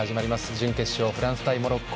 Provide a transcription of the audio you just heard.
準決勝、フランス対モロッコ。